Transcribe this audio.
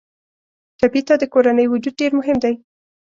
ټپي ته د کورنۍ وجود ډېر مهم دی.